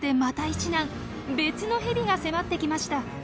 別のヘビが迫ってきました。